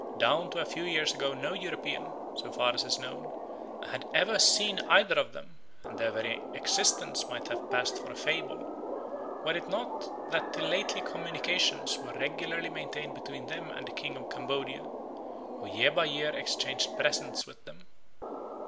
Down to a few years ago no European, so far as is known, had ever seen either of them; and their very existence might have passed for a fable, were it not that till lately communications were regularly maintained between them and the King of Cambodia, who year by year exchanged presents with them.